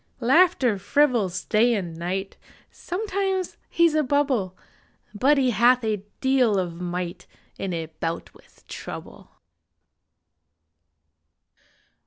Laughter frivols day and night ; Sometimes he s a bubble, But he hath a deal of might In a bout with Trouble!